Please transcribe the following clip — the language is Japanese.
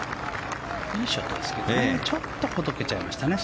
いいショットですけどねちょっとほどけちゃいましたね